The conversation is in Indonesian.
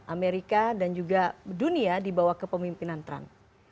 amerika dan juga dunia dibawa ke pemimpinan trump